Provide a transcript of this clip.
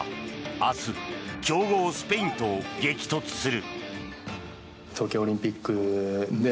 明日、強豪スペインと激突する。